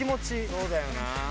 そうだよな。